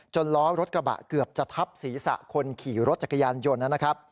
ล้อรถกระบะเกือบจะทับศีรษะคนขี่รถจักรยานยนต์นะครับ